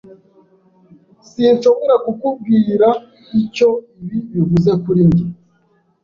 Sinshobora kukubwira icyo ibi bivuze kuri njye.